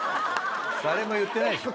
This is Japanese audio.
誰も言ってないですよ。